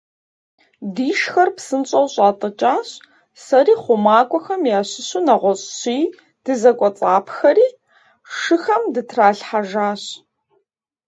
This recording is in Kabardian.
Дишхэр псынщӀэу щӀатӀыкӀащ, сэри хъумакӀуэхэм ящыщу нэгъуэщӀ щыи дызэкӀуэцӀапхэри, шыхэм дытралъхьэжащ.